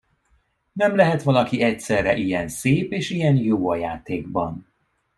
Nem lehet valaki egyszerre ilyen szép és ilyen jó a játékban.